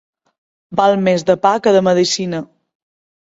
Val més de pa que de medecina.